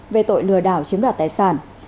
về tội lừa đảo chiếm đoạt tài sản